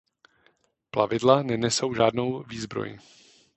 Plavidla nenesou žádnou výzbroj.